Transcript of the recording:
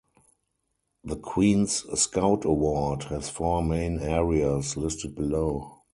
The Queen's Scout Award has four main areas, listed below.